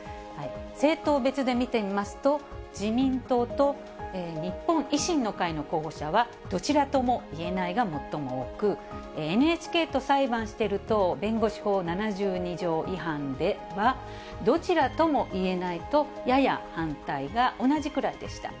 政党別で見てみますと、自民党と日本維新の会の候補者はどちらとも言えないが最も多く、ＮＨＫと裁判してる党弁護士法７２条違反では、どちらとも言えないと、やや反対が同じくらいでした。